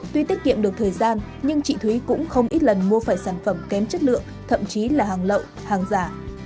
tuy tiết kiệm được thời gian nhưng chị thúy cũng không ít lần mua phải sản phẩm kém chất lượng thậm chí là hàng lậu hàng giả